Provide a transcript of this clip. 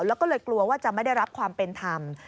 แล้วก็เลยกลัวว่าจะไม่ได้รับความเป็นธรรม